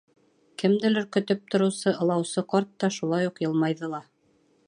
Кемделер көтөп тороусы ылаусы ҡарт та шулай уҡ йылмайҙы ла: